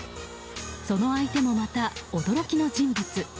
その相手もまた驚きの人物。